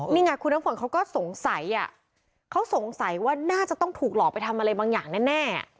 นี่ไงคุณน้ำฝนเขาก็สงสัยอ่ะเขาสงสัยว่าน่าจะต้องถูกหลอกไปทำอะไรบางอย่างแน่